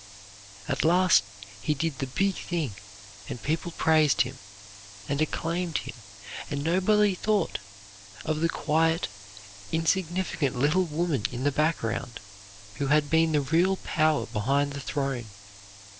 "At last he did the Big Thing, and people praised him, and acclaimed him, and nobody thought of the quiet, insignificant little woman in the background, who had been the real power behind the throne.